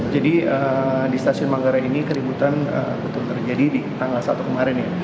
jadi di stasiun manggarai ini keributan betul betul terjadi di tanggal satu kemarin ya